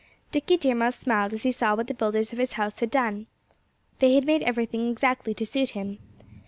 Dickie Deer Mouse smiled as he saw what the builders of his house had done. They had made everything exactly to suit him.